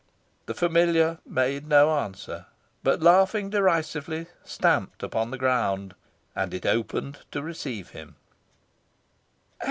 The familiar made no answer, but, laughing derisively, stamped upon the ground, and it opened to receive him.